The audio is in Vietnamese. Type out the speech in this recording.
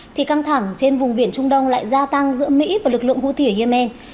thì căng thẳng trên vùng biển trung đông lại gia tăng giữa mỹ và lực lượng houthi ở yemen